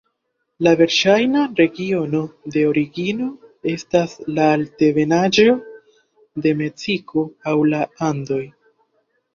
La verŝajna regiono de origino estas la altebenaĵo de Meksiko aŭ la Andoj.